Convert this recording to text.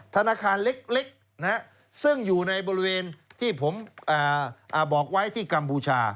ธนาคารเล็กซึ่งอยู่ในบริเวณที่ผมบอกไว้ที่กัมพูชา